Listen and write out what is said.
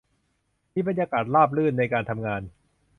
มีบรรยากาศราบรื่นในการทำงาน